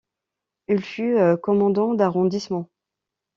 Il fut commandant d'arrondissement.